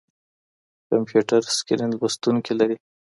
کمپيوټر سکرين لوستونکي لري.